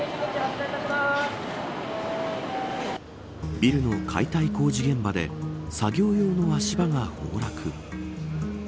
ビルの解体工事現場で作業用の足場が崩落。